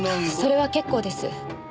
それは結構です。